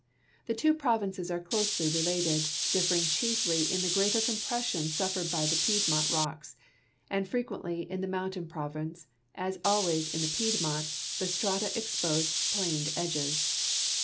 The two provinces are closely related, differing chiefly in the greater compression suffered by the Pied mont rocks ; and frequently in the mountain ])rovince, as always in the Piedmont, the strata expose planed edges.